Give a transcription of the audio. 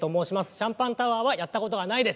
シャンパンタワーはやった事がないです。